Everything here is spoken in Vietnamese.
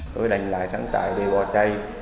tôi đành lại sẵn sàng để bỏ chạy